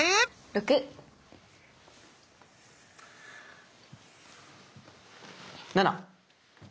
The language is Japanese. ６！７！